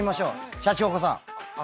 シャチホコさん。